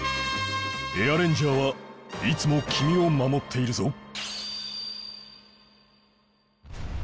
エアレンジャーはいつもきみをまもっているぞ！